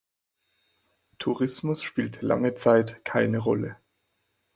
Tourismus spielte lange Zeit keine Rolle.